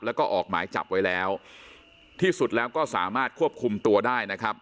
แล้วก็ออกหมายจับไว้แล้วที่สุดแล้วก็สามารถควบคุมตัวได้นะครับ